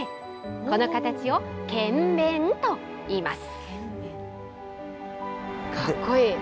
この形を剣弁といいます。